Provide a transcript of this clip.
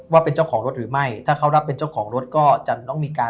ว่าเป็นเจ้าของรถหรือไม่ถ้าเขารับเป็นเจ้าของรถก็จะต้องมีการ